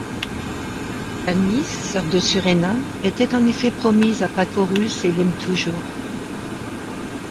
Palmis, sœur de Suréna, était en effet promise à Pacorus et l'aime toujours.